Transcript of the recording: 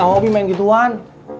mau hobi main gituan